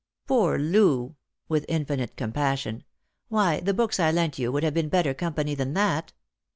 " Poor Loo !" with infinite compassion. " Why, the books I lent you would have been better company than that